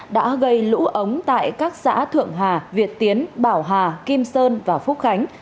đã gây lũ ống tại các xã thượng hà việt tiến bảo hà kim sơn và phúc khánh